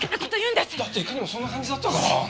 だっていかにもそんな感じだったから。